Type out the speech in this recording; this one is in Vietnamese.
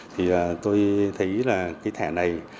thì tôi thấy là cái thẻ này